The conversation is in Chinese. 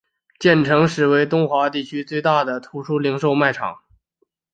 建成时为华东地区最大的图书零售卖场。